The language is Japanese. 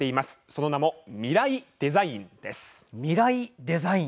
その名も「ミライ×デザイン」です。